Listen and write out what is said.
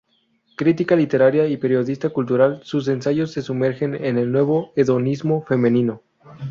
Crítica literaria y periodista cultural, sus ensayos se sumergen en el nuevo hedonismo femenino.